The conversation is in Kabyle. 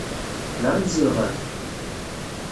Da i tzedɣemt?